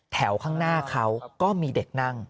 ข้างหน้าเขาก็มีเด็กนั่ง